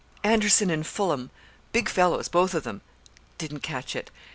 Anderson and Fullam big fellows, both of them didn't catch it.